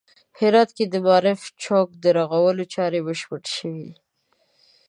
هرات کې د معارف چوک د رغولو چارې بشپړې شوې